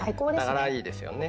ながらがいいですよね。